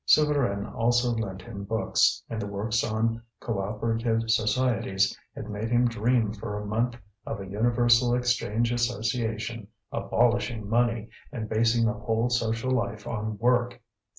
Souvarine also lent him books, and the work on Co operative Societies had made him dream for a month of a universal exchange association abolishing money and basing the whole social life on work.